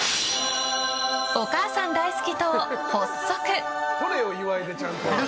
お母さん大好き党、発足！